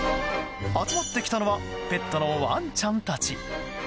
集まってきたのはペットのワンちゃんたち。